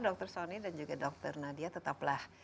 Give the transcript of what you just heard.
dr sony dan juga dr nadia tetaplah